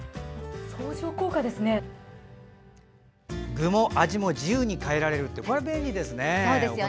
具も味も自由に変えられるって便利ですよね。